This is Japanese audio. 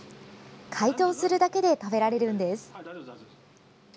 解凍するだけで食べられるんです。